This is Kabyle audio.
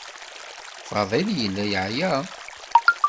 Faḍil yella yeɛya.